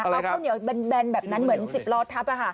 เอาข้าวเหนียวแบนแบบนั้นเหมือน๑๐ล้อทับ